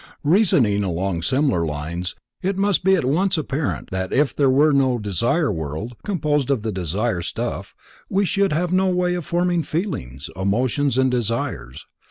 Reasoning along similar lines it must be at once apparent that if there were no Desire World composed of desire stuff, we should have no way of forming feelings, emotions and desires.